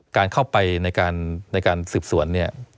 การเข้าไปในการสืบสวนเนี่ย